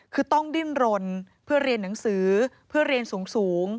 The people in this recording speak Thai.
คือต้องดิ้นรนเพื่อเรียนหนังสือเพื่อเรียนสูง